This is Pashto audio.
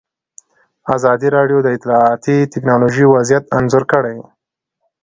ازادي راډیو د اطلاعاتی تکنالوژي وضعیت انځور کړی.